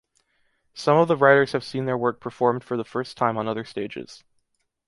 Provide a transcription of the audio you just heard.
Some of the writers have seen their work performed for the first time on other stages.